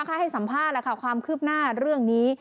ข้าให้สัมภาษณ์ความคืบหน้าเรื่องนี้